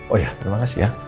oh ya terima kasih ya